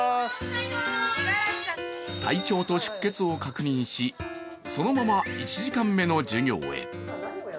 体調と出欠を確認しそのまま１時間目の授業へ。